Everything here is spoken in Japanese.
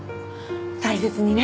大切にね